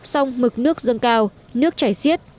sông mực nước dâng cao nước chảy xiết